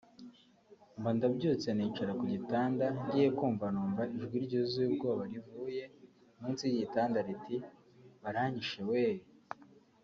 Mba ndabyutse nicara ku gitanda ngiye kumva numva ijwi ryuzuye ubwoba rivuye munsi y’igitanda riti “Baranyishe weeee